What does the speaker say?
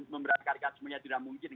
membuat karyakat semuanya tidak mungkin